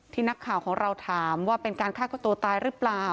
นักข่าวของเราถามว่าเป็นการฆ่าตัวตายหรือเปล่า